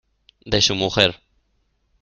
de su mujer.